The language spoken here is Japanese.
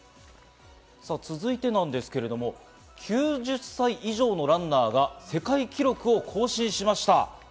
続いてですが、９０歳以上のランナーが世界記録を更新しました。